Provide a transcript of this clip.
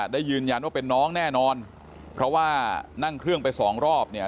ได้ยืนยันว่าเป็นน้องแน่นอนเพราะว่านั่งเครื่องไปสองรอบเนี่ย